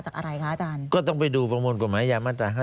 อะไรคะอาจารย์ก็ต้องไปดูประมวลกฎหมายยามาตรา๕